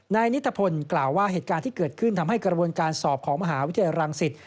นายนิตพลกล่าวว่าเหตุการณ์ที่เกิดขึ้นทำให้กระบวนการสอบของมหาวิทยาลังศิษย์